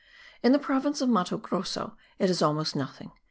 In the province of Mato Grosso it is almost nothing; and M.